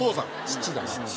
父だな。